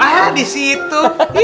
ah di situ